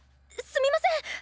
すみません！